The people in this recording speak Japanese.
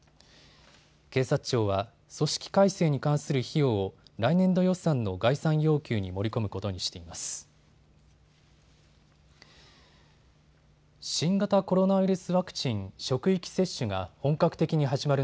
警察庁は組織改正に関する費用を来年度予算の概算要求に盛り込むことにしています。